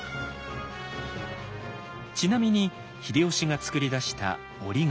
ちなみに秀吉が作り出した「折紙」。